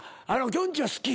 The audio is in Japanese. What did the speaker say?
きょんちぃは好き。